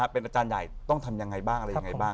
เป็นอาจารย์ใหญ่ต้องทำยังไงบ้างอะไรยังไงบ้าง